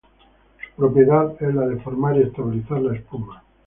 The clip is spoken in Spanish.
Su propiedad es la de formar y estabilizar la espuma.